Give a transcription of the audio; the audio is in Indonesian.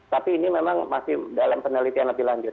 tapi ini memang masih dalam penelitian lebih lanjut